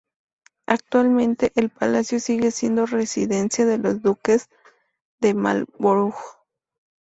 Actualmente, el palacio sigue siendo residencia de los duques de Marlborough.